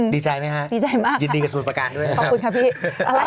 ดีใจไหมครับยินดีกับสมุดประการด้วยนะครับดีใจมาก